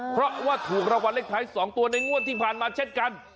เพราะว่าถูกรวรรณเล็กทายสองตัวในงวดที่ผ่านมาเช็ดกัน